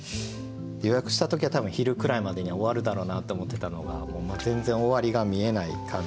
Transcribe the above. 予約した時は多分昼くらいまでには終わるだろうなって思ってたのがもう全然終わりがみえない感じで。